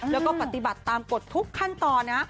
แล้วก็ปฏิบัติตามกฎทุกขั้นตอนนะ